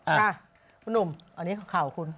อ่ะผู้หนุ่มอันนี้ข่าวของคุณ